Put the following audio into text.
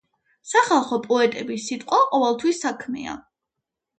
სახალხო პოეტების სიტყვა ყოველთვის საქმეა.